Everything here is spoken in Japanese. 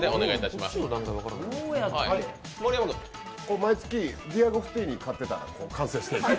毎月「ディアゴスティーニ」買ってたら完成する。